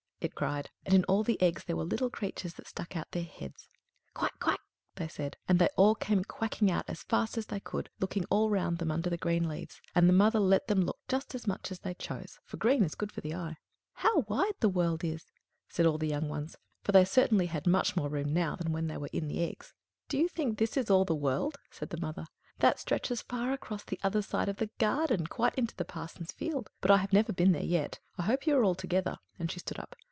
it cried, and in all the eggs there were little creatures that stuck out their heads. "Quack! quack!" they said; and they all came quacking out as fast as they could, looking all round them under the green leaves; and the mother let them look as much as they chose, for green is good for the eye. "How wide the world is!" said all the young ones, for they certainly had much more room now than when they were in the eggs. "D'ye think this is all the world?" said the mother. "That stretches far across the other side of the garden, quite into the parson's field; but I have never been there yet. I hope you are all together," and she stood up.